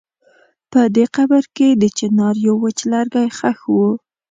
په دې قبر کې د چنار يو وچ لرګی ښخ و.